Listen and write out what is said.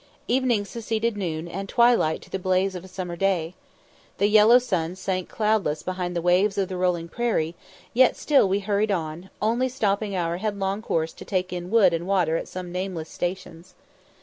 Evening succeeded noon, and twilight to the blaze of a summer day; the yellow sun sank cloudless behind the waves of the rolling prairie, yet still we hurried on, only stopping our headlong course to take in wood and water at some nameless stations.